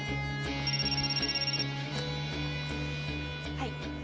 はい。